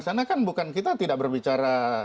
sana kan bukan kita tidak berbicara